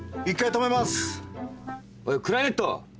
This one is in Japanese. おいクラリネット！